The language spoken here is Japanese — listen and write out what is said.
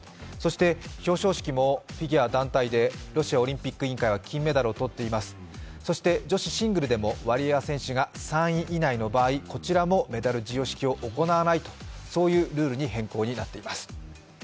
そして表彰式もフィギュア団体でロシアオリンピック委員会はそして、女子シングルでもワリエワ選手が３位以内の場合こちらもメダル授与式を行わないというルールになっています。